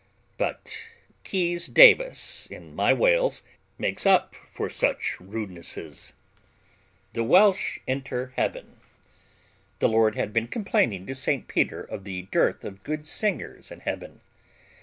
But Rhys Davis in My Wales makes up for such rudenesses: The Welsh Enter Heaven The Lord had been complaining to St. Peter of the dearth of good singers in Heaven.